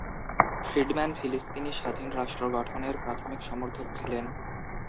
Friedman ফিলিস্তিনি স্বাধীন রাষ্ট্র গঠনের প্রাথমিক সমর্থক ছিলেন।